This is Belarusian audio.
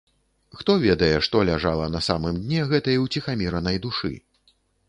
Хто ведае, што ляжала на самым дне гэтай уціхаміранай душы?